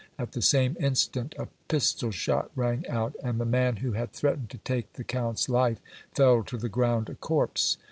At the same instant a pistol shot rang out, and the man who had threatened to take the Count's life fell to the ground a corpse.